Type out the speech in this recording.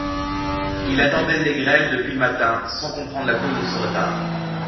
Il attendait Négrel depuis le matin, sans comprendre la cause de ce retard.